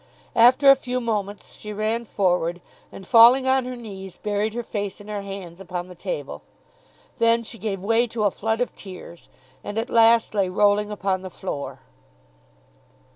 After a few moments she ran forward, and falling on her knees, buried her face in her hands upon the table. Then she gave way to a flood of tears, and at last lay rolling upon the floor.